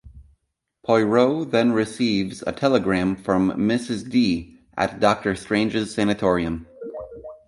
Poirot then receives a telegram from "Mrs D" at Doctor Strange's sanatorium.